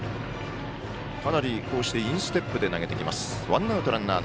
かなり、インステップで投げてきます。